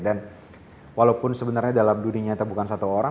dan walaupun sebenarnya dalam dunia nyata bukan satu orang